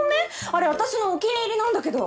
あれ私のお気に入りなんだけど